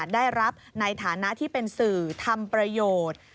ได้รับในฐานะที่เป็นสื่อทำประโยชน์